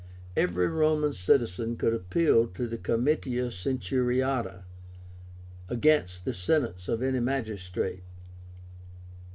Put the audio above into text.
Every Roman citizen could appeal to the Comitia Centuriáta against the sentence of any magistrate.